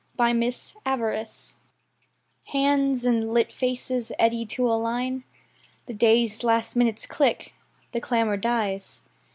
The Night Journey Hands and lit faces eddy to a line; The dazed last minutes click; the clamour dies.